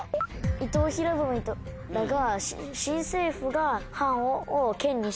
伊藤博文とかが。